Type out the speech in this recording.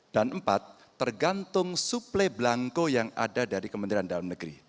dan empat tergantung suplai blanco yang ada dari kementerian dalam negeri